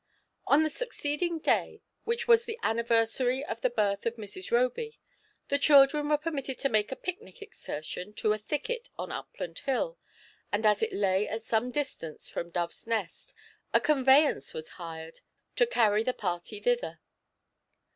;N the succeeding day, which was the anniver sary of the birth of Mrs. Roby, the children were permitted to make a picnic excursion to a thicket on Upland Hill, and as it lay at some distance from Dove's Nest, a conveyance was hired to carry the party thither.